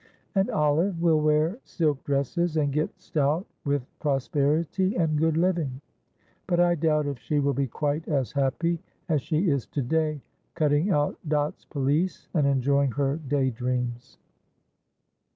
And Olive will wear silk dresses, and get stout with prosperity and good living; but I doubt if she will be quite as happy as she is to day cutting out Dot's pelisse, and enjoying her day dreams."